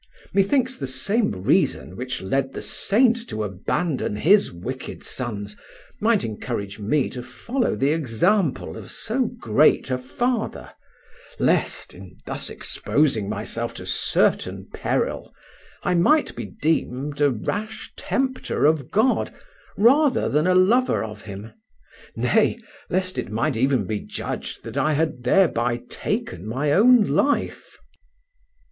Methinks the same reason which led the saint to abandon his wicked sons might encourage me to follow the example of so great a father, lest, in thus exposing myself to certain peril, I might be deemed a rash tempter of God rather than a lover of Him, nay, lest it might even be judged that I had thereby taken my own life.